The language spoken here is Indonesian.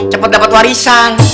cepet dapet warisan